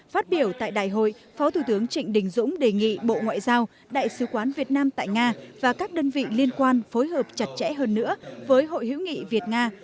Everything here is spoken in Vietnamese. phát biểu tại đại hội phó thủ tướng trịnh đình dũng đề nghị bộ ngoại giao đại sứ quán việt nam tại nga và các đơn vị liên quan phối hợp chặt chẽ hơn nữa với hội hữu nghị việt nga